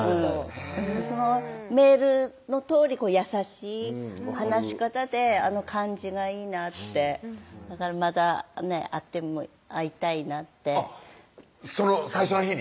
そのメールのとおり優しい話し方で感じがいいなってだからまた会いたいなってその最初の日に？